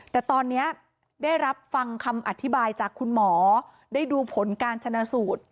แต่ตอนนี้ได้รับฟังคำอธิบายจากคุณหมอได้ดูผลการชนะสูตร